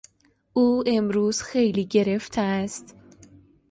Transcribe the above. او امروز خیلی گرفته است.